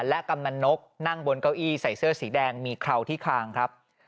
และกำนันนกนั่งบนเก้าอี้ใส่เสื้อสีแดงมีเคราที่คางครับ